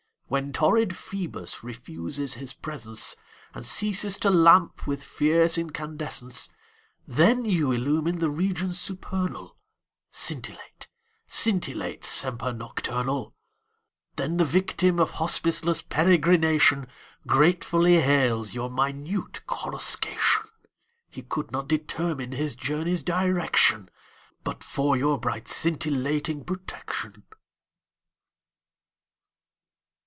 When torrid Ph[oe]bus refuses his presence And ceases to lamp with fierce incandescence, Then you illumine the regions supernal, Scintillate, scintillate, semper nocturnal. Then the victim of hospiceless peregrination Gratefully hails your minute coruscation. He could not determine his journey's direction But for your bright scintillating protection.